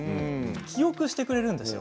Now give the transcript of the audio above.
記憶してくれるんです。